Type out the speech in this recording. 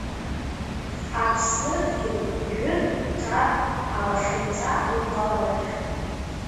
Аԥсныдгьыл жәытә-ҿатә алахьынҵа угәаланаршәон…